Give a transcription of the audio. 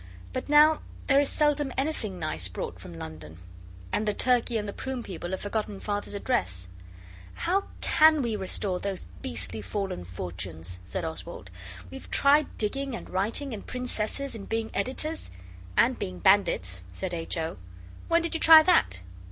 But now there is seldom anything nice brought from London, and the turkey and the prune people have forgotten Father's address. 'How can we restore those beastly fallen fortunes?' said Oswald. 'We've tried digging and writing and princesses and being editors.' 'And being bandits,' said H. O. 'When did you try that?